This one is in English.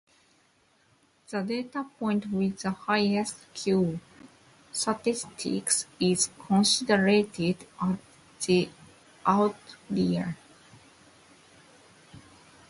The data point with the highest Q statistic is considered as the outlier.